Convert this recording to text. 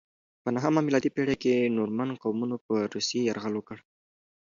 په نهمه میلادي پیړۍ کې نورمن قومونو پر روسیې یرغل وکړ.